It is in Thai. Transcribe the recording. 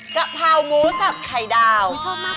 ชอบมากเลยว้าว